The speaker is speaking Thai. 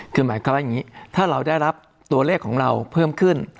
คือหมายความว่าอย่างนี้ถ้าเราได้รับตัวเลขของเราเพิ่มขึ้น